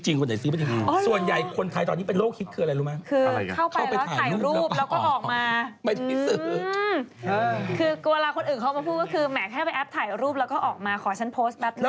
แหมแค่ไปแอปถ่ายรูปแล้วก็ออกมา